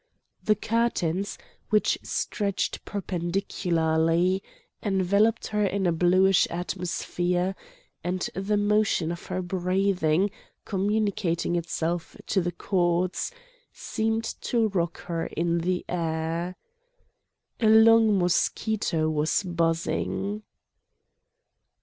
The curtains, which stretched perpendicularly, enveloped her in a bluish atmosphere, and the motion of her breathing, communicating itself to the cords, seemed to rock her in the air. A long mosquito was buzzing.